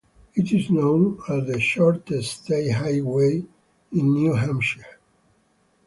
It is known as the shortest state highway in New Hampshire.